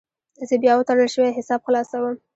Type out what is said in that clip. زه بیا وتړل شوی حساب خلاصوم.